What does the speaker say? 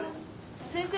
・先生